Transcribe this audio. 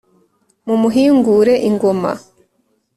mumuhingure ingoma